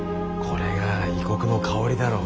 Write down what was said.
これが異国の香りだろ。